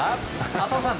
浅尾さん